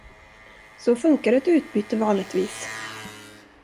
Så funkar ett utbyte vanligtvis.